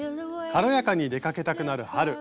軽やかに出かけたくなる春。